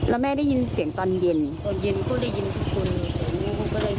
แล้วแม่ได้ยินเสียงตอนเย็นตอนเย็นก็ได้ยินทุกคน